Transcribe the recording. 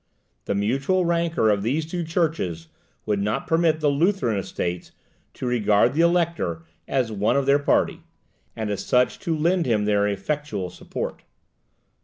The mutual rancour of these two churches would not permit the Lutheran Estates to regard the Elector as one of their party, and as such to lend him their effectual support.